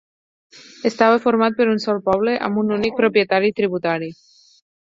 Estava format per un sol poble amb un únic propietari tributari.